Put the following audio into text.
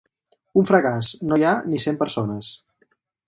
Un fracàs: no hi ha ni cent persones.